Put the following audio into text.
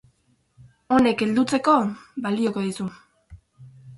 Honek heldutzeko balioko dizu.